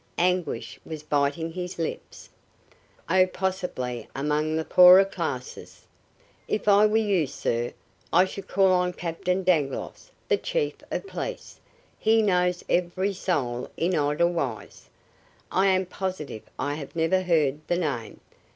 Anguish was biting his lips. "Oh, possibly among the poorer classes. If I were you, sir, I should call on Captain Dangloss, the Chief of Police. He knows every soul in Edelweiss. I am positive I have never heard the name.